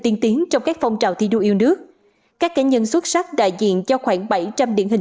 tiên tiến trong các phong trào thi đua yêu nước các cá nhân xuất sắc đại diện cho khoảng bảy trăm linh điển hình